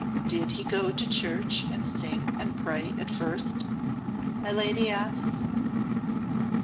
"Did he go to church and sing and pray at first?" my lady asks.